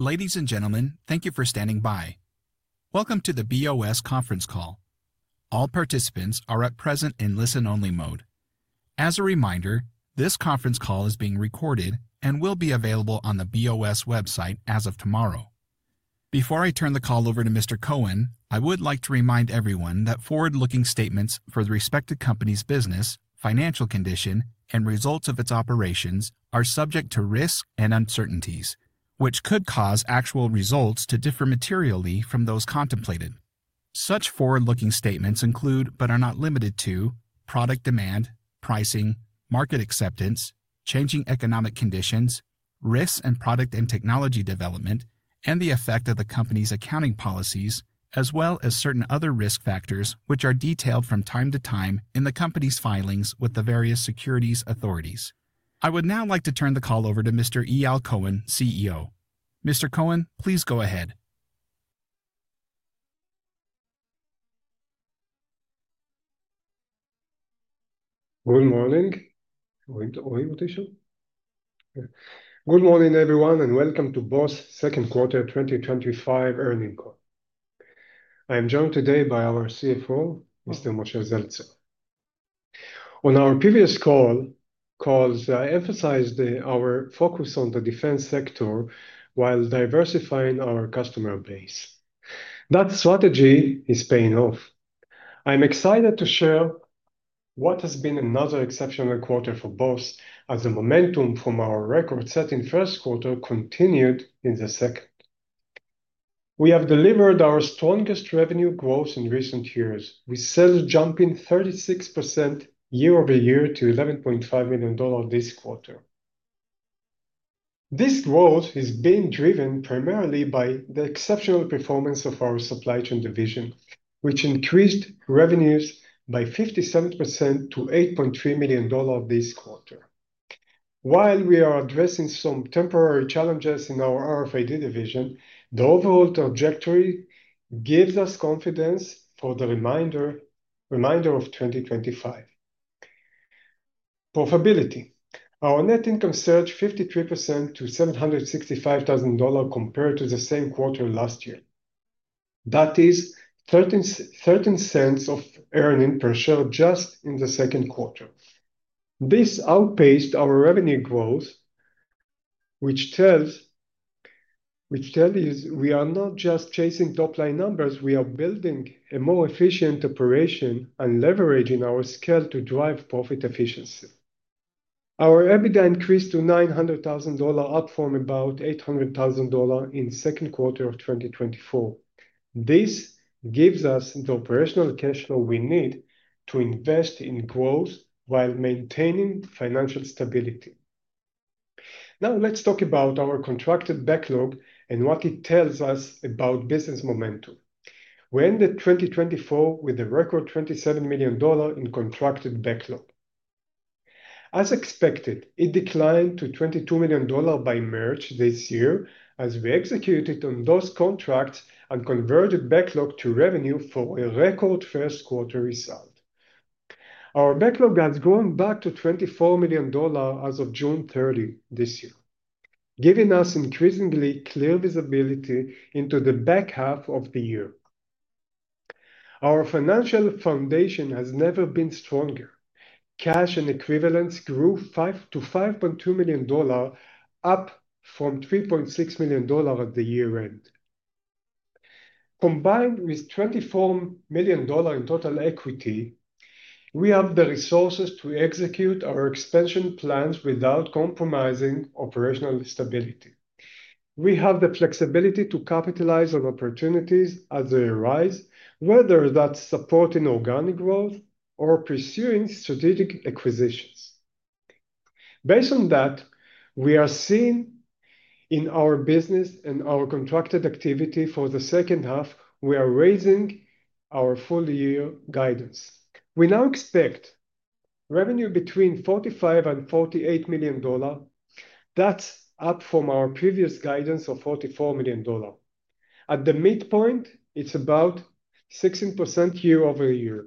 Ladies and gentlemen, thank you for standing by. Welcome to the B.O.S. conference call. All participants are at present in listen-only mode. As a reminder, this conference call is being recorded and will be available on the B.O.S. website as of tomorrow. Before I turn the call over to Mr. Cohen, I would like to remind everyone that forward-looking statements for the respective company's business, financial condition, and results of its operations are subject to risk and uncertainties, which could cause actual results to differ materially from those contemplated. Such forward-looking statements include, but are not limited to, product demand, pricing, market acceptance, changing economic conditions, risks in product and technology development, and the effect of the company's accounting policies, as well as certain other Risk Factors which are detailed from time to time in the company's filings with the various securities authorities. I would now like to turn the call over to Mr. Eyal Cohen, CEO. Mr. Cohen, please go ahead. Good morning. Good morning, everyone, and welcome to B.O.S. Second Quarter 2025 Earnings Call. I am joined today by our CFO, Mr. Moshe Zeltzer. On our previous calls, I emphasized our focus on the defense sector while diversifying our customer base. That strategy is paying off. I'm excited to share what has been another exceptional quarter for B.O.S. as the momentum from our record-setting First quarter continued in the second. We have delivered our strongest revenue growth in recent years, with sales jumping 36% year-over-year to $11.5 million this quarter. This growth has been driven primarily by the exceptional performance of our Supply Chain Division, which increased revenues by 57% to $8.3 million this quarter. While we are addressing some temporary challenges in our RFID Division, the overall trajectory gives us confidence for the remainder of 2025. Profitability. Our net income surged 53% to $765,000 compared to the same quarter last year. That is $0.13 of earnings per share just in the Second Quarter. This outpaced our revenue growth, which tells us we are not just chasing top-line numbers; we are building a more efficient operation and leveraging our scale to drive profit efficiency. Our EBITDA increased to $900,000, up from about $800,000 in the Second Quarter of 2024. This gives us the operational cash flow we need to invest in growth while maintaining financial stability. Now, let's talk about our contracted backlog and what it tells us about business momentum. We ended 2024 with a record $27 million in contracted backlog. As expected, it declined to $22 million by March this year as we executed on those contracts and converted backlog to revenue for a record First Quarter result. Our backlog has grown back to $24 million as of June 30th this year, giving us increasingly clear visibility into the back half of the year. Our financial foundation has never been stronger. Cash and equivalents grew to $5.2 million, up from $3.6 million at the year-end. Combined with $24 million in total equity, we have the resources to execute our expansion plans without compromising operational stability. We have the flexibility to capitalize on opportunities as they arise, whether that's supporting organic growth or pursuing strategic acquisitions. Based on that, we are seeing in our business and our contracted activity for the second half, we are raising our full-year guidance. We now expect revenue between $45 million and $48 million, that's up from our previous guidance of $44 million. At the midpoint, it's about 16% year-over-year,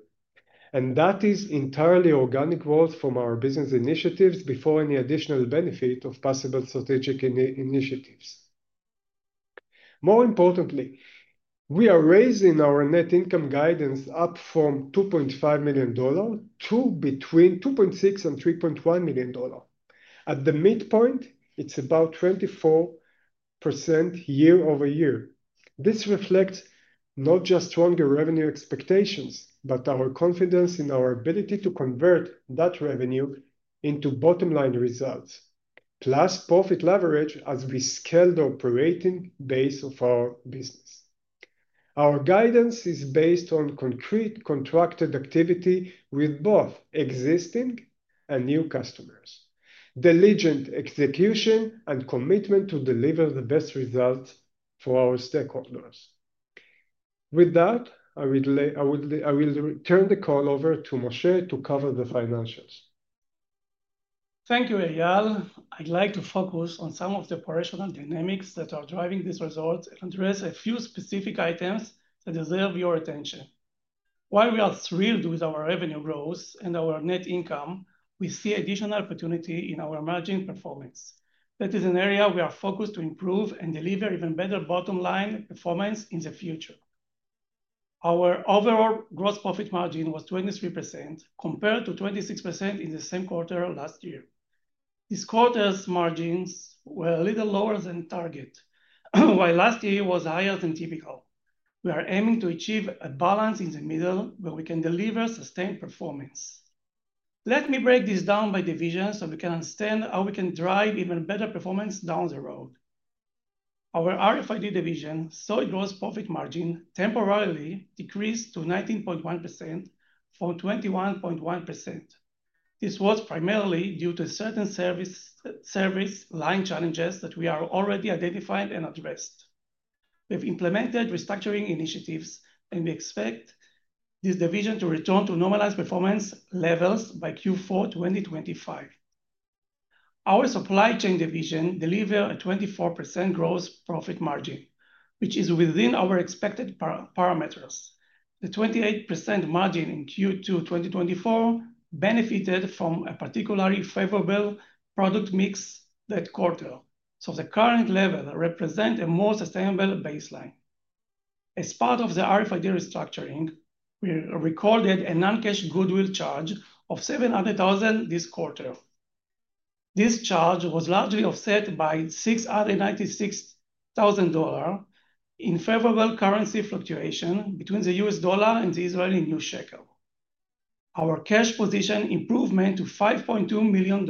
and that is entirely organic growth from our business initiatives before any additional benefit of possible strategic initiatives. More importantly, we are raising our net income guidance up from $2.5 million to between $2.6 million and $3.1 million. At the midpoint, it's about 24% year-over-year. This reflects not just stronger revenue expectations, but our confidence in our ability to convert that revenue into bottom-line results, plus profit leverage as we scale the operating base of our business. Our guidance is based on concrete contracted activity with both existing and new customers, diligent execution, and commitment to deliver the best results for our stakeholders. With that, I will turn the call over to Moshe to cover the financials. Thank you, Eyal. I'd like to focus on some of the operational dynamics that are driving these results and address a few specific items that deserve your attention. While we are thrilled with our revenue growth and our net income, we see additional opportunity in our margin performance. That is an area we are focused to improve and deliver even better bottom-line performance in the future. Our overall gross profit margin was 23% compared to 26% in the same quarter last year. This quarter's margins were a little lower than target, while last year was higher than typical. We are aiming to achieve a balance in the middle where we can deliver sustained performance. Let me break this down by division so we can understand how we can drive even better performance down the road. Our RFID Division saw a gross profit margin temporarily decrease to 19.1% from 21.1%. This was primarily due to certain service line challenges that we are already identifying and addressing. We have implemented restructuring initiatives, and we expect this division to return to normalized performance levels by Q4 2025. Our Supply Chain Division delivered a 24% gross profit margin, which is within our expected parameters. The 28% margin in Q2 2024 benefited from a particularly favorable product mix that quarter, so the current level represents a more sustainable baseline. As part of the RFID restructuring, we recorded a non-cash goodwill charge of $700,000 this quarter. This charge was largely offset by $696,000 in favorable currency fluctuation between the U.S. dollar and the Israel new shekel. Our cash position improvement to $5.2 million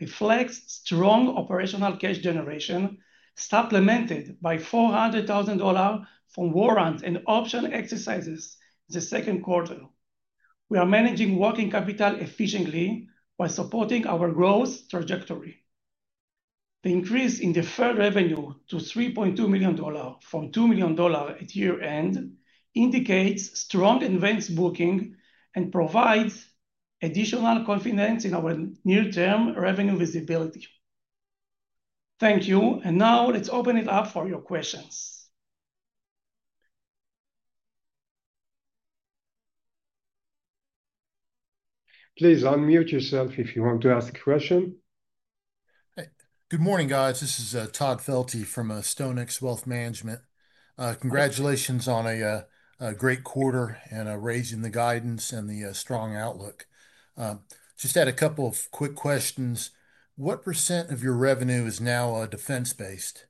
reflects strong operational cash generation supplemented by $400,000 from warrants and option exercises in the Second Quarter. We are managing working capital efficiently while supporting our growth trajectory. The increase in deferred revenue to $3.2 million from $2 million at year-end indicates strong advanced booking and provides additional confidence in our near-term revenue visibility. Thank you, and now let's open it up for your questions. Please unmute yourself if you want to ask a question. Good morning, guys. This is Todd Felty from Stonix Wealth Management. Congratulations on a great quarter and raising the guidance and the strong outlook. Just had a couple of quick questions. What percent of your revenue is now defense-based?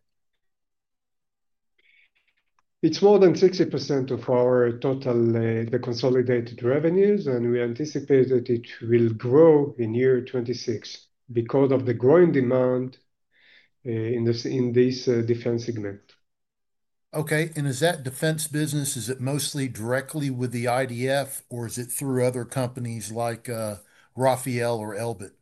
It's more than 60% of our total consolidated revenues, and we anticipate that it will grow in year 2026 because of the growing demand in this defense segment. Okay, and is that defense business, is it mostly directly with the IDF, or is it through other companies like Rafael or Elbit Systems?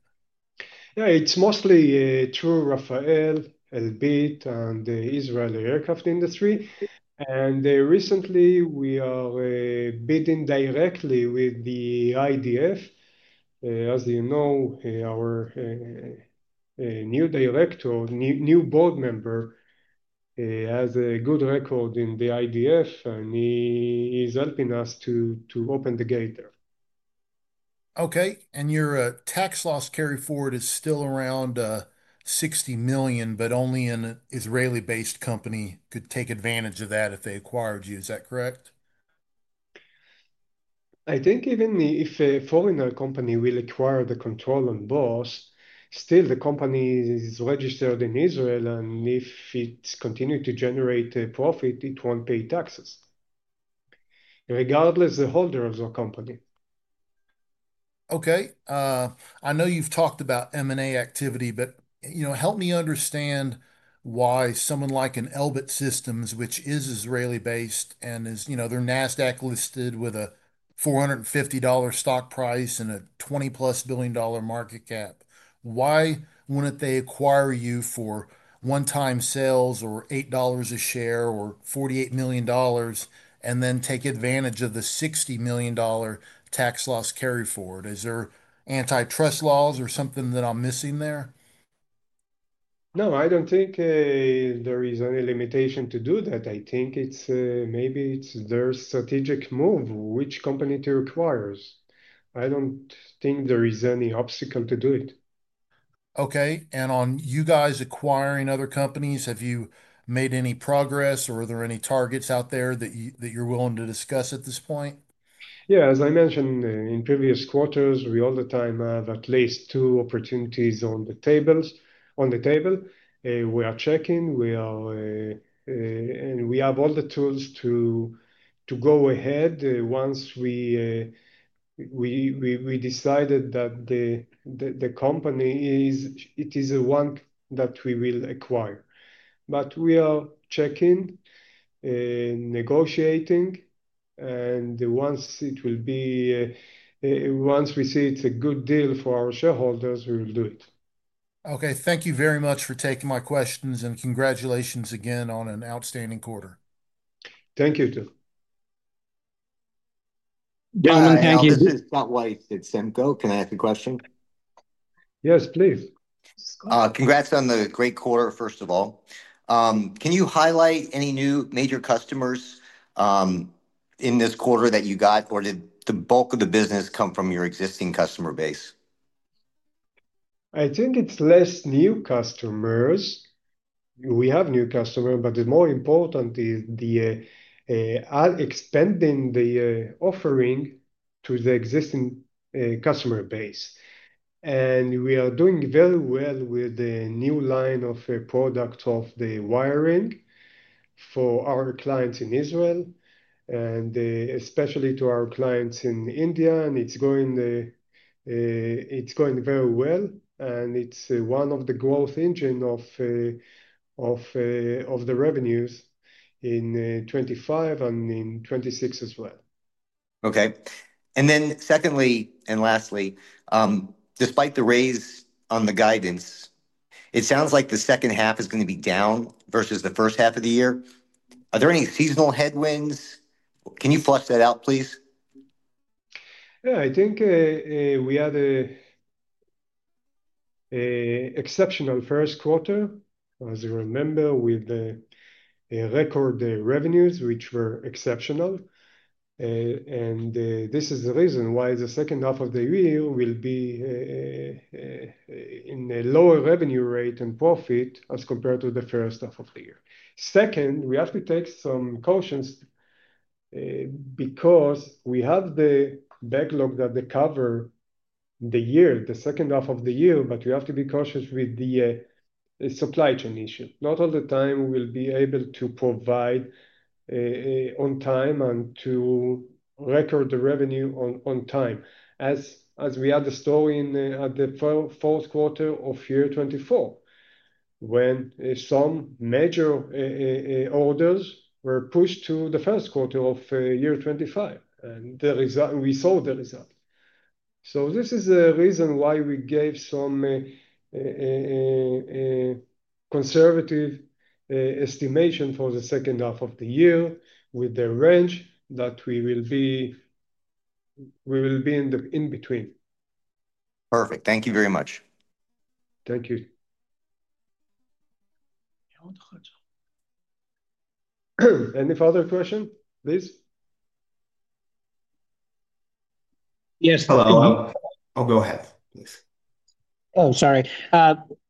Yeah, it's mostly through Rafael, Elbit Systems, and Israel Aerospace Industries. Recently, we are bidding directly with the IDF. As you know, our new Director, new Board Member, has a good record in the IDF, and he is helping us to open the gate there. Okay, your tax loss carryforward is still around $60 million, but only an Israel-based company could take advantage of that if they acquired you, is that correct? I think even if a foreign company will acquire the control on B.O.S., still the company is registered in Israel, and if it continues to generate profit, it won't pay taxes, regardless of the holder of the company. Okay, I know you've talked about M&A activity, but help me understand why someone like an Elbit Systems, which is Israel-based and is, you know, they're NASDAQ listed with a $450 stock price and a $20+ billion market cap. Why wouldn't they acquire you for one-time sales or $8 a share or $48 million and then take advantage of the $60 million tax loss carryforward? Is there antitrust laws or something that I'm missing there? No, I don't think there is any limitation to do that. I think maybe it's their strategic move which company to acquire. I don't think there is any obstacle to do it. Okay, on you guys acquiring other companies, have you made any progress or are there any targets out there that you're willing to discuss at this point? Yeah, as I mentioned in previous quarters, we all the time have at least two opportunities on the table. We are checking, we are, and we have all the tools to go ahead once we decided that the company is, it is a one that we will acquire. We are checking, negotiating, and once we see it's a good deal for our shareholders, we will do it. Okay, thank you very much for taking my questions, and congratulations again on an outstanding quarter. Thank you, too. This is Scott Weis with Semco. Can I ask a quejustion? Yes, please. Congrats on the great quarter, first of all. Can you highlight any new major customers in this quarter that you got, or did the bulk of the business come from your existing customer base? I think it's less new customers. We have new customers, but the more important is expanding the offering to the existing customer base. We are doing very well with the new line of products of the wiring for our clients in Israel, especially to our clients in India. It's going very well, and it's one of the growth engines of the revenues in 2025 and in 2026 as well. Okay, and then secondly and lastly, despite the raise on the guidance, it sounds like the second half is going to be down versus the first half of the year. Are there any seasonal headwinds? Can you flush that out, please? Yeah, I think we had an exceptional First Quarter, as you remember, with record revenues which were exceptional. This is the reason why the second half of the year will be in a lower revenue rate and profit as compared to the first half of the year. Second, we have to take some cautions because we have the backlog that covers the year, the second half of the year, but we have to be cautious with the supply chain issue. Not all the time we'll be able to provide on time and to record the revenue on time, as we had the story in the 12th Fourth Quarter of year 2024 when some major orders were pushed to the First Quarter of year 2025. We saw the result. This is the reason why we gave some conservative estimation for the second half of the year with the range that we will be in between. Perfect. Thank you very much. Thank you. Any further questions, please? Yes, hello. Go ahead, please. Sorry.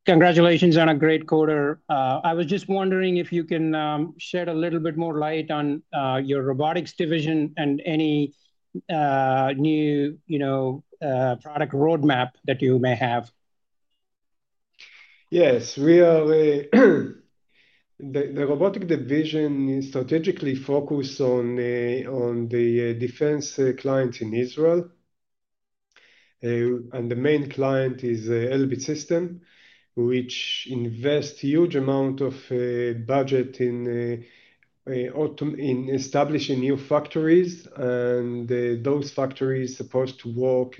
Congratulations on a great quarter. I was just wondering if you can shed a little bit more light on your Robotics Division and any new, you know, product roadmap that you may have. Yes, we are, the Robotics Division is strategically focused on the defense client in Israel. The main client is Elbit Systems, which invests a huge amount of budget in establishing new factories, and those factories are supposed to work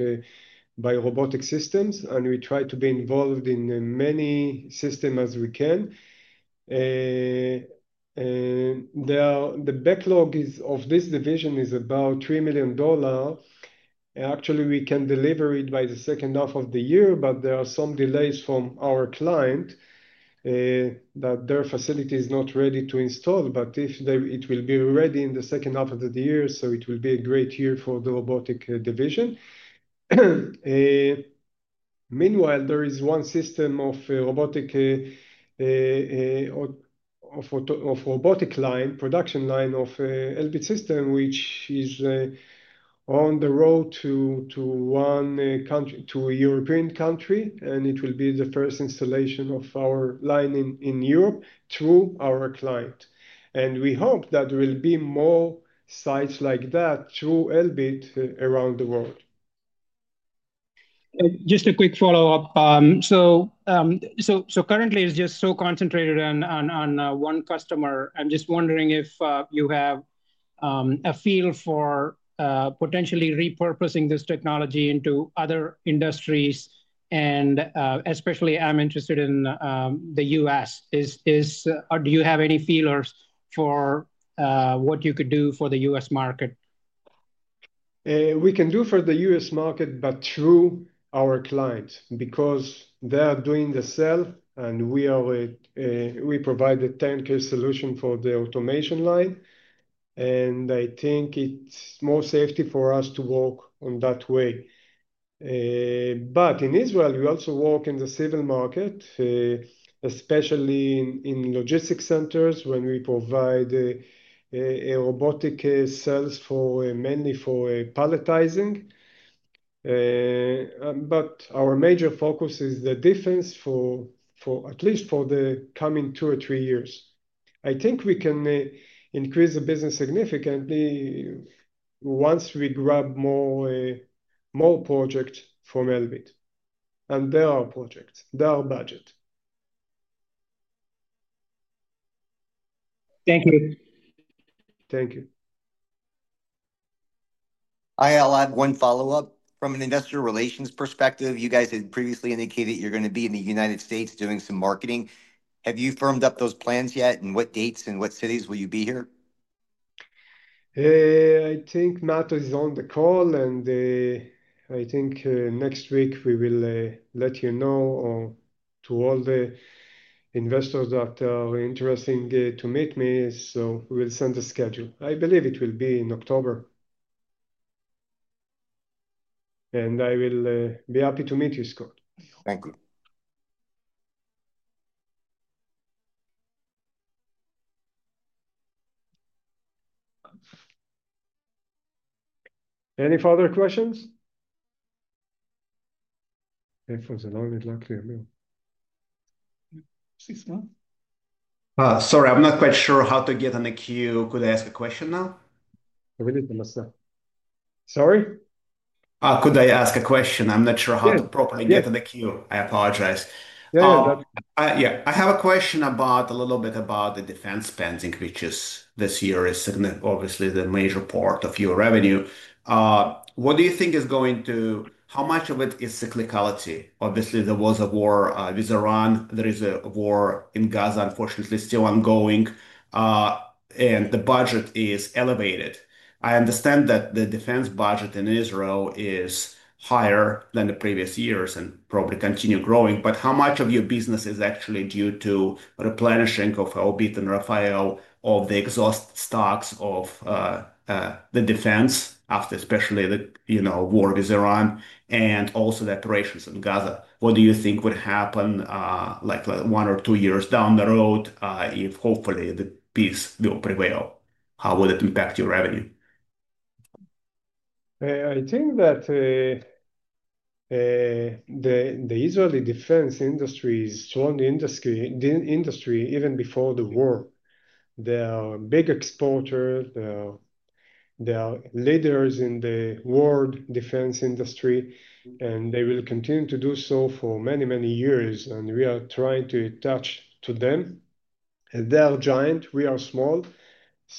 by robotic systems. We try to be involved in as many systems as we can. The backlog of this division is about $3 million. Actually, we can deliver it by the second half of the year, but there are some delays from our client that their facility is not ready to install. It will be ready in the second half of the year, so it will be a great year for the Robotics Division. Meanwhile, there is one system of robotics line, production line of Elbit Systems, which is on the road to one country, to a European country, and it will be the first installation of our line in Europe through our client. We hope that there will be more sites like that through Elbit around the world. Just a quick follow-up. Currently, it's just so concentrated on one customer. I'm just wondering if you have a feel for potentially repurposing this technology into other industries, and especially I'm interested in the U.S. Do you have any feelers for what you could do for the U.S. market? We can do for the U.S. market, but through our client because they are doing the sale, and we provide the tank solution for the automation line. I think it's more safety for us to work in that way. In Israel, we also work in the civil market, especially in logistics centers when we provide robotics sales for mainly palletizing. Our major focus is the defense for at least the coming two or three years. I think we can increase the business significantly once we grab more projects from Elbit Systems. There are projects, there are budgets. Thank you. Thank you. I'll add one follow-up. From an industrial relations perspective, you guys had previously indicated you're going to be in the U.S. doing some marketing. Have you firmed up those plans yet? What dates and what cities will you be here? I think NATO is on the call, and I think next week we will let you know to all the investors that are interested to meet me. We'll send the schedule. I believe it will be in October. I will be happy to meet you soon. Thank you. Any further questions? Sorry, I'm not quite sure how to get on the queue. Could I ask a question now? Sorry? Could I ask a question? I'm not sure how to properly get on the queue. I apologize. Yeah. I have a question about a little bit about the defense spending, which this year is obviously the major part of your revenue. What do you think is going to, how much of it is cyclicality? Obviously, there was a war with Iran. There is a war in Gaza, unfortunately, still ongoing. The budget is elevated. I understand that the defense budget in Israel is higher than the previous years and probably continues growing. How much of your business is actually due to replenishing of Elbit Systems and Rafael, of the exhaust stocks of the defense after especially the, you know, war with Iran and also the operations in Gaza? What do you think would happen like one or two years down the road if hopefully the peace will prevail? How would it impact your revenue? I think that the Israel defense industry is a strong industry even before the war. They are big exporters. They are leaders in the world defense industry, and they will continue to do so for many, many years. We are trying to touch them. They are giant. We are small.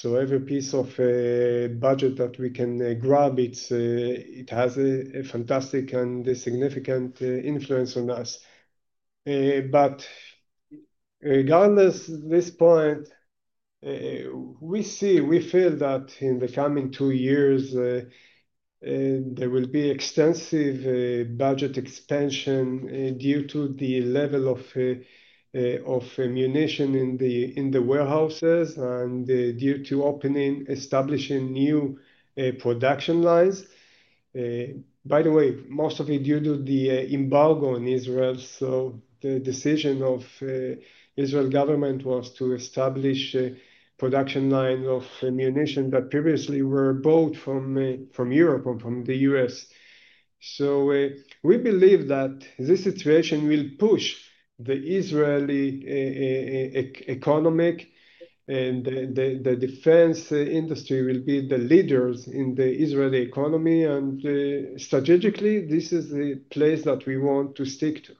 Every piece of budget that we can grab, it has a fantastic and significant influence on us. Regardless, at this point, we see, we feel that in the coming two years, there will be extensive budget expansion due to the level of munition in the warehouses and due to opening, establishing new production lines. By the way, most of it due to the embargo in Israel. The decision of the Israel government was to establish a production line of munition that previously were bought from Europe and from the U.S. We believe that this situation will push the Israel economy, and the defense industry will be the leaders in the Israel economy. Strategically, this is the place that we want to stick to.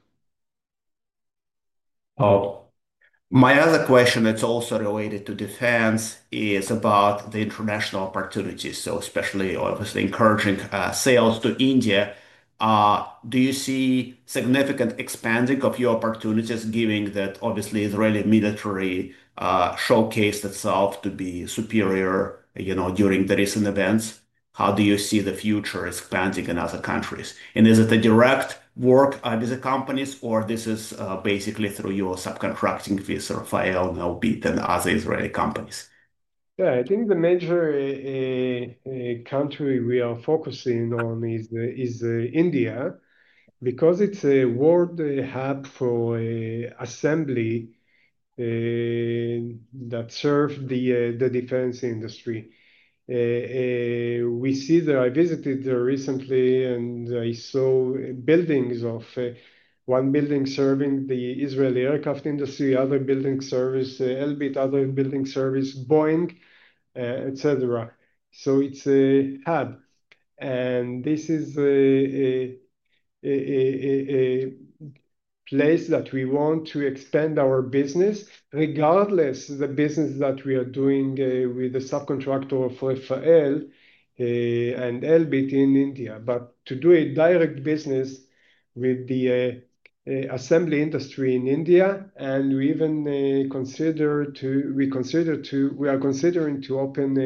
My other question, it's also related to defense, is about the international opportunities. Especially, obviously, encouraging sales to India. Do you see significant expanding of your opportunities, given that obviously the Israel military showcased itself to be superior during the recent events? How do you see the future expanding in other countries? Is it a direct work with the companies, or is this basically through your subcontracting with Rafael, Elbit Systems, and other Israel companies? Yeah, I think the major country we are focusing on is India because it's a world hub for assembly that serves the defense industry. We see that I visited there recently, and I saw buildings of one building serving the Israel Aerospace Industries, other building serving Elbit Systems, other building serving Boeing, etc. It's a hub, and this is a place that we want to expand our business, regardless of the business that we are doing with the subcontractor of Rafael and Elbit Systems in India. We want to do direct business with the assembly industry in India, and we even are considering to open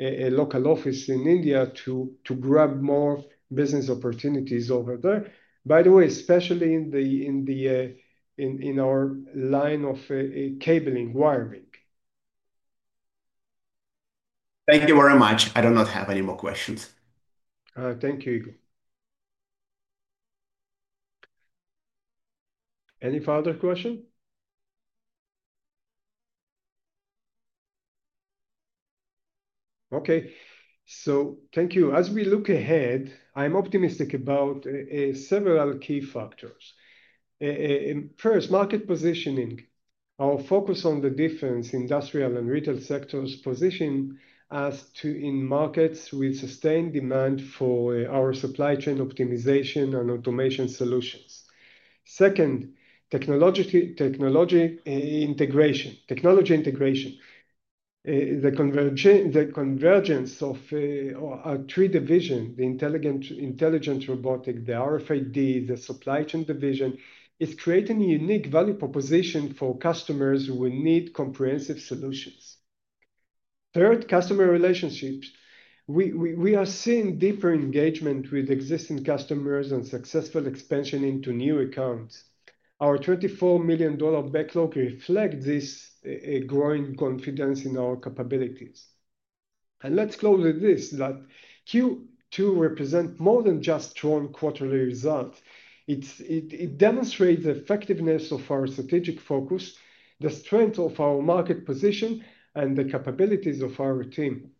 a local office in India to grab more business opportunities over there. By the way, especially in our line of cabling and wiring. Thank you very much. I do not have any more questions. Thank you. Any further questions? Okay, thank you. As we look ahead, I'm optimistic about several key factors. First, market positioning. Our focus on the defense, industrial, and retail sectors positions us in markets with sustained demand for our supply chain optimization and automation solutions. Second, technology integration. The convergence of our three divisions, the Robotics Division, the RFID Division, and the Supply Chain Division, is creating a unique value proposition for customers who will need comprehensive solutions. Third, customer relationships. We are seeing deeper engagement with existing customers and successful expansion into new accounts. Our $34 million backlog reflects this growing confidence in our capabilities. Q2 represents more than just strong quarterly results. It demonstrates the effectiveness of our strategic focus, the strength of our market position, and the capabilities of our team.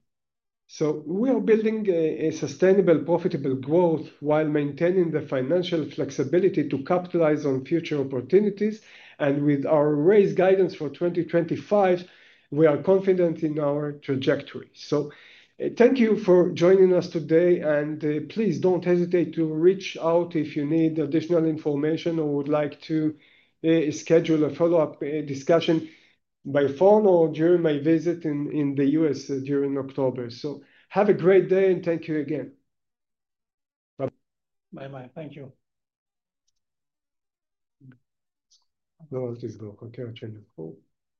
We are building sustainable, profitable growth while maintaining the financial flexibility to capitalize on future opportunities. With our raised guidance for 2025, we are confident in our trajectory. Thank you for joining us today, and please don't hesitate to reach out if you need additional information or would like to schedule a follow-up discussion by phone or during my visit in the U.S. during October. Have a great day, and thank you again. Bye-bye. Thank you.